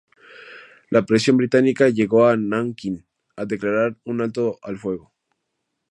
La presión británica llevó a Nankín a declarar un alto al fuego.